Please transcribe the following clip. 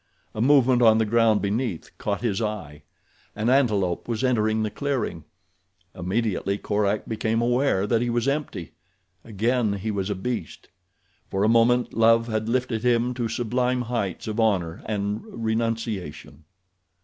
A movement on the ground beneath caught his eye. An antelope was entering the clearing. Immediately Korak became aware that he was empty—again he was a beast. For a moment love had lifted him to sublime heights of honor and renunciation.